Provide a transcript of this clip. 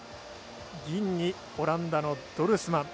銀にオランダのドルスマン。